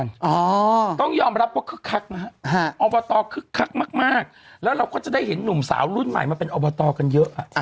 มิตรภพมิตรภาพรถติดหมดเลย